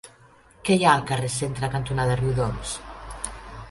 Què hi ha al carrer Centre cantonada Riudoms?